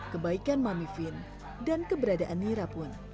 kebaikan mami vin dan keberadaan nira pun